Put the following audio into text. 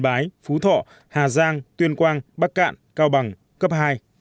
bộ hà giang tuyên quang bắc cạn cao bằng cấp hai